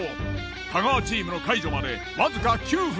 太川チームの解除までわずか９分。